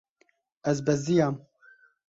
Ez beziyam.